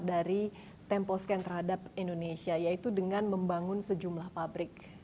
dari temposcan terhadap indonesia yaitu dengan membangun sejumlah pabrik